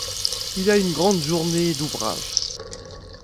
Il y a une grande journée d'ouvrage.